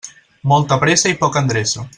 Molta pressa i poca endreça.